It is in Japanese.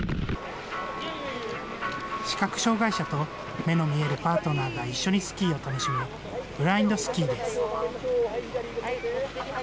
視覚障害者と目の見えるパートナーが一緒にスキーを楽しむブラインドスキーです。